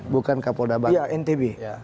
bukan kapolda bank ya ntb